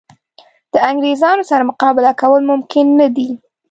د انګرېزانو سره مقابله کول ممکن نه دي.